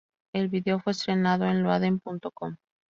El video fue estrenado en Loaded.com.